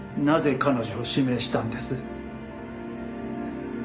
なぜ彼女を指名したんです？